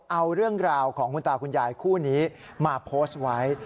เอาเรื่องราวของคุณตาคุณยายคู่นี้มาโพสต์ไว้